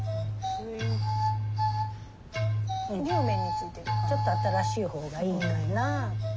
にゅうめんについてるちょっと新しい方がいいかな。